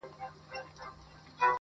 خلک هره ورځ خبرونه ګوري